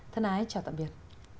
thân ái chào tạm biệt